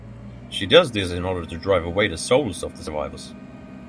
She does this in order to drive away the souls of the survivors.